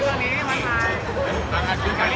ตอนนี้น่ะตอนนี้น่ะโอเคครับ